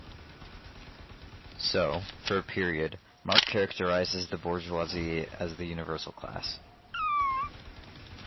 So, for a period, Marx characterizes the bourgeoisie as the universal class.